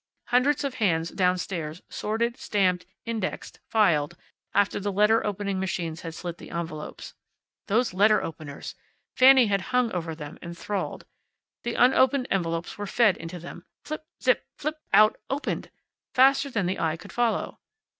Hundreds of hands downstairs sorted, stamped, indexed, filed, after the letter opening machines had slit the envelopes. Those letter openers! Fanny had hung over them, enthralled. The unopened envelopes were fed into them. Flip! Zip! Flip! Out! Opened! Faster than eye could follow.